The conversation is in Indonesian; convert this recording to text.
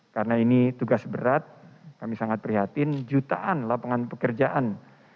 karena ini tugas berat kami sangat prihatin jutaan lapangan pekerjaan